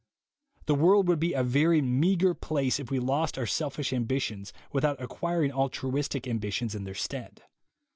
The world would be a very meagre place if we lost our selfish ambitions without acquiring altruistic ambitions in their stead.